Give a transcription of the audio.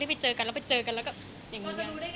ดูสิจ่ายไม่น่ารักมากมีที่อยู่ดี